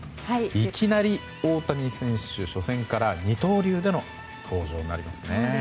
いきなり、大谷選手初戦から二刀流での登場になりますね。